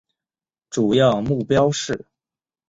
主要目标是